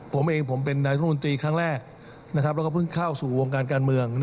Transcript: ผมเองผมเป็นนายรัฐมนตรีครั้งแรกแล้วก็เพิ่งเข้าสู่วงการการเมือง